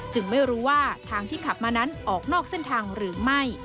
ไม่รู้ว่าทางที่ขับมานั้นออกนอกเส้นทางหรือไม่